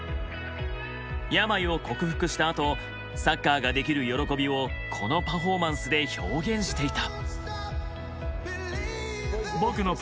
病を克服したあとサッカーができる喜びをこのパフォーマンスで表現していた。